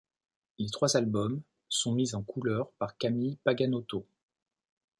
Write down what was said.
Les trois albums sont mis en couleur par Camille Paganotto.